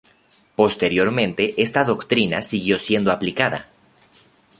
Posteriormente, esta doctrina siguió siendo aplicada.